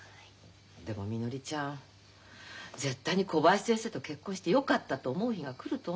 でもみのりちゃん絶対に小林先生と結婚してよかったと思う日が来ると思う。